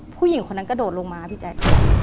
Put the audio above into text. ผู้หญิงคนนั้นกระโดดลงมาพี่แจ๊ค